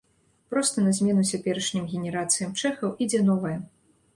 Проста на змену цяперашнім генерацыям чэхаў ідзе новая.